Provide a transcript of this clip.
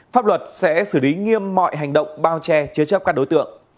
pháp luật sẽ xử lý nghiêm mọi hành động bao che chế chấp các đối tượng